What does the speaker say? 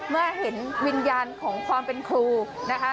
เมื่อเห็นวิญญาณของความเป็นครูนะคะ